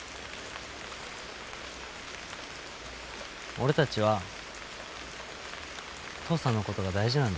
俺たちは父さんのことが大事なんだよ。